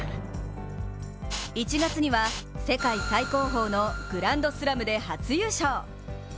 １月には世界最高峰のグランドスラムで初優勝。